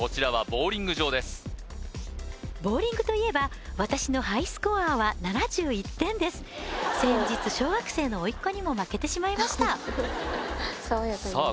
ボウリングといえば私のハイスコアは７１点です先日小学生の甥っ子にも負けてしまいましたさあ